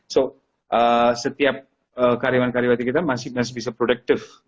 so setiap karyawan karyawati kita masih bisa produktif